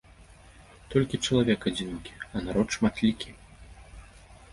Толькі чалавек адзінокі, а народ шматлікі.